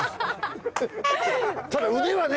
ただ腕はね